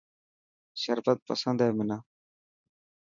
شربت پسند هي منان.